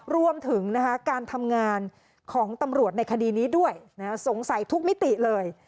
รวมถึงการทำงานของตำรวจในคดีนี้ด้วยสงสัยทุกมิติเลย